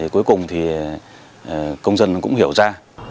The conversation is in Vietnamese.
cuối cùng thì công dân cũng hiểu ra